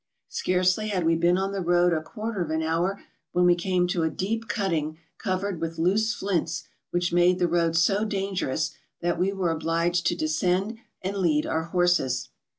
Scarcely had we been on the road a quarter of an hour, wlien we came to a deep cutting covered witli loose flints which made the road so dangerous that we were obliged to descend and lead our horses. 246 MOUNTAIN ADVENTUKES.